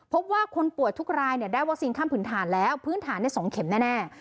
คนป่วยทุกรายได้วัคซีนข้ามผืนฐานแล้วพื้นฐาน๒เข็มแน่